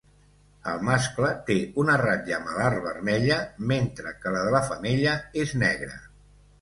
El mascle té una ratlla malar vermella, mentre que la de la femella és negra.